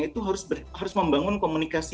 itu harus membangun komunikasi